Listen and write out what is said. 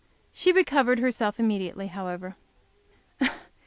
She recovered herself immediately, however.